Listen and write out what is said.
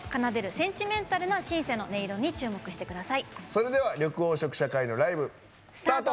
それでは緑黄色社会のライブ、スタート。